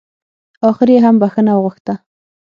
اخر يې هم بښنه وغوښته.